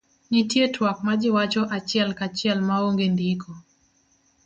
nitie twak majiwacho achiel kachiel ma onge ndiko